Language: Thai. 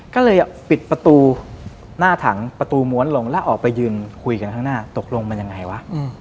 ก็เลยปิดประตูหน้าถังประตูม้วนลงแล้วออกไปยืนคุยกันข้างหน้าตกลงมันยังไงวะ